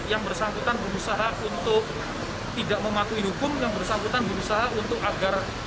yang bersangkutan berusaha untuk tidak mematuhi hukum yang bersangkutan berusaha untuk agar